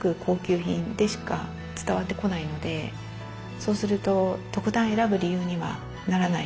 そうすると特段選ぶ理由にはならない。